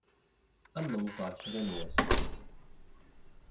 Ad nemẓeṛ kra n wass.